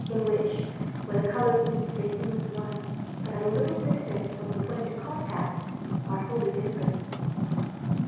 ] in which, where the colors meet they seem as one, but at a little distance from the point of contact are wholly different.